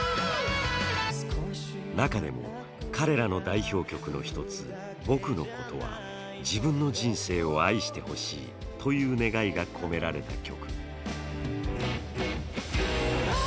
中でも、彼らの代表曲の１つ「僕のこと」は「自分の人生を愛してほしい」という願いが込められた曲。